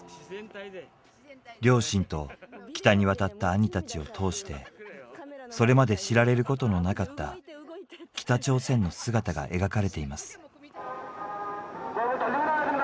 両親と北に渡った兄たちを通してそれまで知られることのなかった北朝鮮の姿が描かれています。